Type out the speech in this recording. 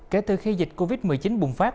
kể từ khi dịch covid một mươi chín bùng phát